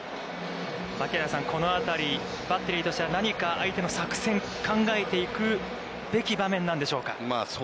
槙原さん、このあたり、バッテリーとしては何か相手の作戦、考えていくべき場面なんでしょうか。